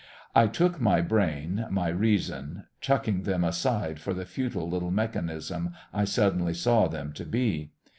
I took my brain, my reason, chucking them aside for the futile little mechanism I suddenly saw them to be.